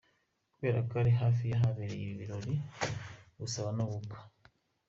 kubera ko ari hafi y’ahabereye ibirori byo gusaba no gukwa